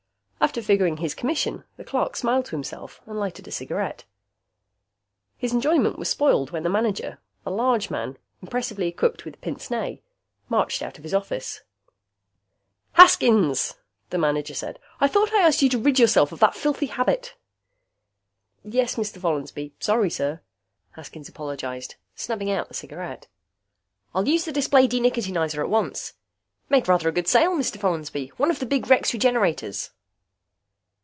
After figuring his commission, the clerk smiled to himself and lighted a cigarette. His enjoyment was spoiled when the manager, a large man impressively equipped with pince nez, marched out of his office. "Haskins," the manager said, "I thought I asked you to rid yourself of that filthy habit." "Yes, Mr. Follansby, sorry, sir," Haskins apologized, snubbing out the cigarette. "I'll use the display Denicotinizer at once. Made rather a good sale, Mr. Follansby. One of the big Rex Regenerators."